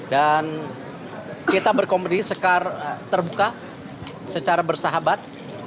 dan kita berkomedi terbuka secara bersahabat